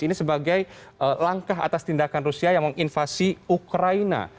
ini sebagai langkah atas tindakan rusia yang menginvasi ukraina